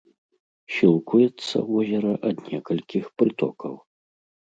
Сілкуецца возера ад некалькіх прытокаў.